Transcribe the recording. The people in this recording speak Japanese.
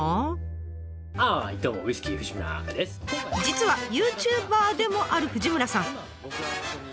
実はユーチューバーでもある藤村さん。